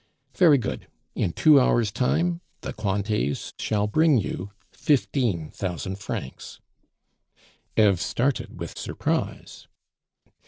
Very good, in two hours' time the Cointets shall bring you fifteen thousand francs " Eve started with surprise.